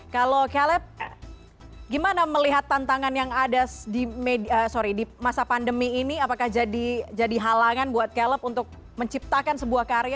kalau caleb gimana melihat tantangan yang ada di sorry di masa pandemi ini apakah jadi halangan buat caleb untuk menciptakan sebuah karya